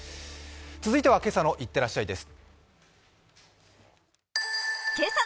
続いては今朝の「いってらっしゃい」です。